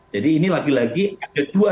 jadi ini lagi lagi ada dua